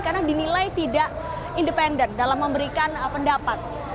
karena dinilai tidak independen dalam memberikan pendapat